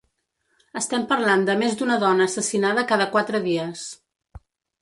Estem parlant de més d’una dona assassinada cada quatre dies.